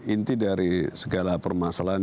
inti dari segala permasalahan